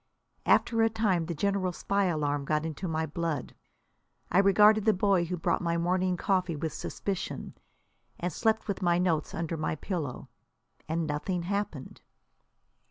After a time the general spy alarm got into my blood. I regarded the boy who brought my morning coffee with suspicion, and slept with my notes under my pillow. And nothing happened!